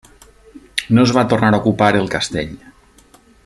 No es va tornar a ocupar el castell.